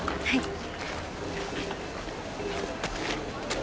はい。